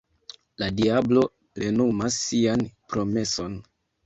La diablo plenumas sian promeson.